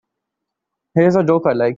Here's a joke I like.